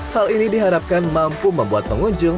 hal ini diharapkan mampu membuat pengunjung